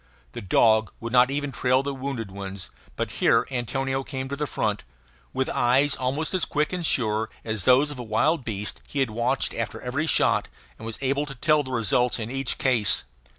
The dog would not even trail the wounded ones; but here Antonio came to the front. With eyes almost as quick and sure as those of a wild beast he had watched after every shot, and was able to tell the results in each case.